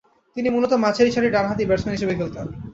তিনি মূলতঃ মাঝারিসারির ডানহাতি ব্যাটসম্যান হিসেবে খেলতেন।